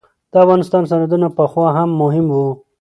د افغانستان سرحدونه پخوا هم مهم وو.